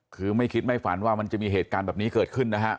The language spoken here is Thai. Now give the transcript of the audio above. คือไม่คิดไม่ฝันว่ามันจะมีเหตุการณ์แบบนี้เกิดขึ้นนะฮะ